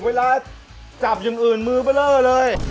เวลาจับอย่างอื่นมือเบลอเลย